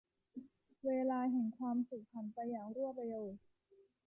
เวลาแห่งความสุขผ่านไปอย่างรวดเร็ว